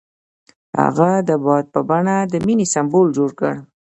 هغه د باد په بڼه د مینې سمبول جوړ کړ.